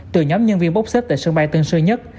từ nhóm nhân viên bốc xếp tại sân bay tân sơn nhất